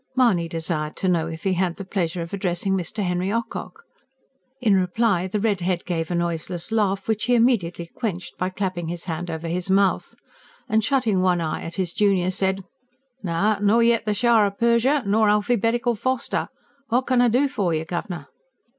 Mahony desired to know if he had the pleasure of addressing Mr. Henry Ocock. In reply the red head gave a noiseless laugh, which he immediately quenched by clapping his hand over his mouth, and shutting one eye at his junior said: "No nor yet the Shar o' Persia, nor Alphybetical Foster! What can I do for you, governor?"